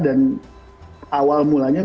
dan awal mulanya